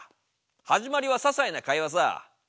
始まりはささいな会話さ。